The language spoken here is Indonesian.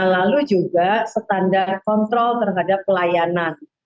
lalu juga standar kontrol terhadap pelayanan